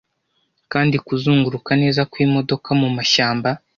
kandi kuzunguruka neza kwimodoka mumashyamba